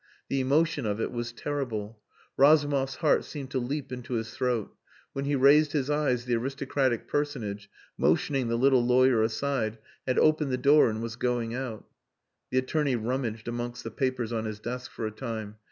The emotion of it was terrible. Razumov's heart seemed to leap into his throat. When he raised his eyes the aristocratic personage, motioning the little lawyer aside, had opened the door and was going out. The attorney rummaged amongst the papers on his desk for a time.